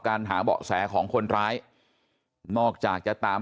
ส่วนเรื่องทางคดีนะครับตำรวจก็มุ่งไปที่เรื่องการฆาตฉิงทรัพย์นะครับ